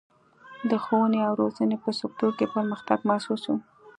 د ښوونې او روزنې په سکتور کې پرمختګ محسوس و.